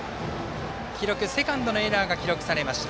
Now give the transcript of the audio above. セカンドのエラーが記録されました。